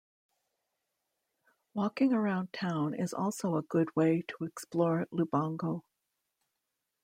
Walking around town is also a good way to explore Lubango.